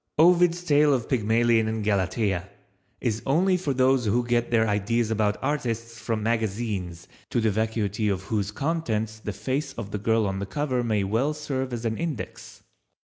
Ovid's tale of Pygmalion and Galatea is only for those who get their ideas about artists from magazines to the vacuity of whose contents the face of the girl on the cover may well serve as an index.